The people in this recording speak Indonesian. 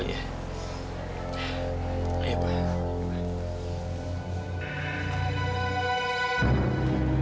bisa saya tolong lancar permukaan pakaian